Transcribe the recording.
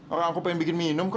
orang aku pengen bikin minum kok